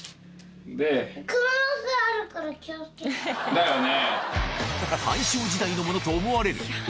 だよね。